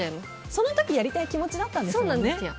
その時やりたい気持ちだったんですもんね。